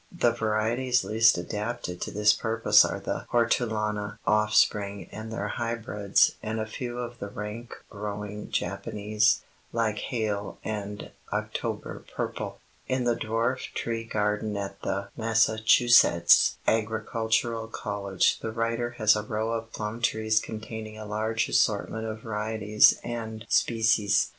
The varieties least adapted to this purpose are the Hortulana offspring and their hybrids and a few of the rank growing Japanese, like Hale and October Purple. In the dwarf tree garden at the Massachusetts Agricultural College the writer has a row of plum trees containing a large assortment of varieties and species.